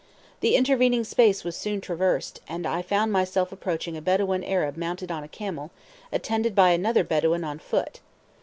The intervening space was soon traversed, and I found myself approaching a Bedouin Arab mounted on a camel, attended by another Bedouin on foot.